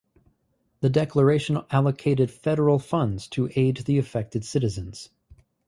The declaration allocated federal funds to aid the affected citizens.